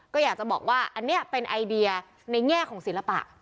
ก็อยากจะบอกว่าอันนี้เป็นไอเดียในแง่ของศิลปะ